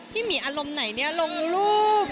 หมีอารมณ์ไหนเนี่ยลงรูป